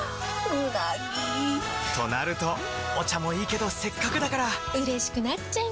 うなぎ！となるとお茶もいいけどせっかくだからうれしくなっちゃいますか！